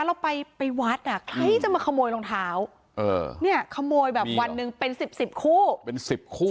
เราไปไปวัดอ่ะใครจะมาขโมยรองเท้าเนี่ยขโมยแบบวันหนึ่งเป็นสิบสิบคู่เป็นสิบคู่